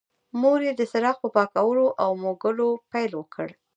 مور یې د څراغ په پاکولو او موږلو پیل وکړ.